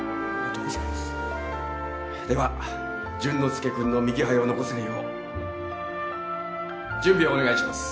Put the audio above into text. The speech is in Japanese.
では淳之介君の右肺を残せるよう準備をお願いします。